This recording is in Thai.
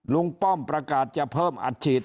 ป้อมประกาศจะเพิ่มอัดฉีด